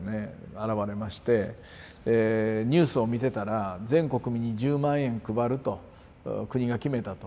現れましてニュースを見てたら全国民に１０万円配ると国が決めたと。